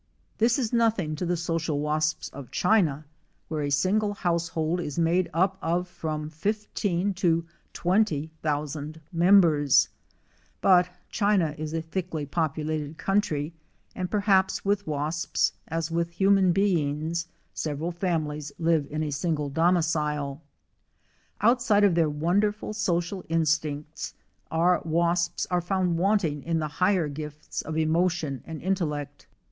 This is no thing to the social wasps of China, where a single house hold is made up of from fifteen to twenty thousand mem bers; but China is a thickly populated country, and per haps with wasps as with human beings several families live in a single domicile. Outside of their wonderful social instincts our wasps are found wanting in the higher gifts of emotion and in tellect.